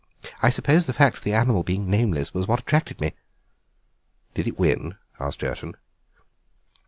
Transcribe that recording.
I suppose the fact of the animal being nameless was what attracted me." "Did it win?" asked Jerton.